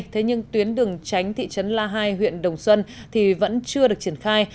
thế nhưng tuyến đường tránh thị trấn la hai huyện đồng xuân thì vẫn chưa được triển khai